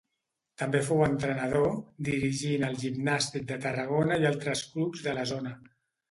També fou entrenador, dirigint el Gimnàstic de Tarragona i altres clubs de la zona.